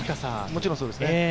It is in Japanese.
もちろんそうですね